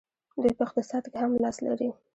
دوی په اقتصاد کې هم لاس لري.